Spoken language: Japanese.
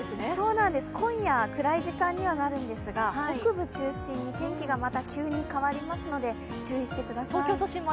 今夜、暗い時間にはなるんですが北部中心に天気がまた急に変わりますので、注意してください。